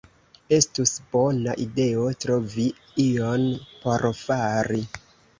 Estus bona ideo trovi ion por fari.